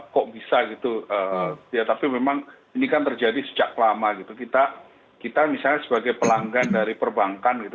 kok bisa gitu ya tapi memang ini kan terjadi sejak lama gitu kita misalnya sebagai pelanggan dari perbankan gitu